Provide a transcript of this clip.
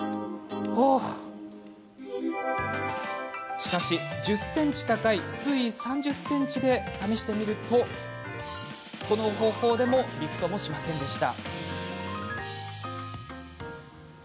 しかし、１０ｃｍ高い水位３０ｃｍで試してみるとこの方法でもびくともしませんでした。